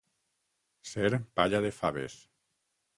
Ser palla de faves.